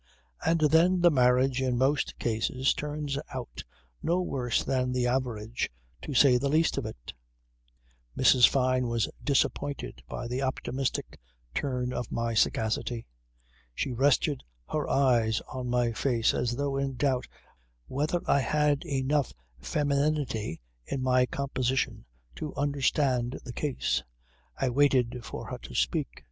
"And then the marriage in most cases turns out no worse than the average, to say the least of it." Mrs. Fyne was disappointed by the optimistic turn of my sagacity. She rested her eyes on my face as though in doubt whether I had enough femininity in my composition to understand the case. I waited for her to speak.